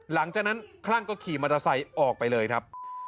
หลังจากนั้นคลั่งก็ขี่มอเตอร์ไซค์ออกไปเลยครับ